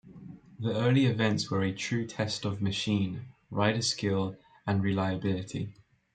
The early events were a true test of machine, rider skill, and reliability.